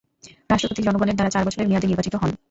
রাষ্ট্রপতি জনগণের দ্বারা চার বছরের মেয়াদে নির্বাচিত হন।